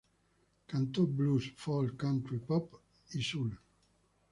Cantó blues, folk, country, pop y soul.